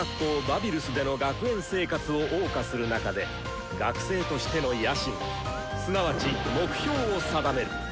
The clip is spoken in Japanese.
バビルスでの学園生活をおう歌する中で学生としての野心すなわち目標を定める。